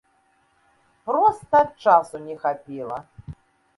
Проста часу не хапіла.